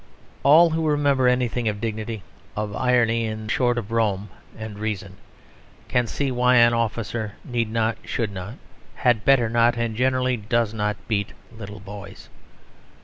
All who remember anything of dignity, of irony, in short of Rome and reason, can see why an officer need not, should not, had better not, and generally does not, beat little boys.